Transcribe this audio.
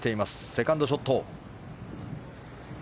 セカンドショット。